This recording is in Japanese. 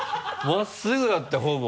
真っすぐだったほぼ。